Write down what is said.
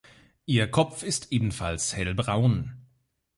Ihr Kopf ist ebenfalls hellbraun.